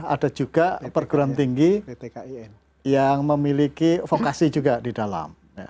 ada juga perguruan tinggi yang memiliki vokasi juga di dalam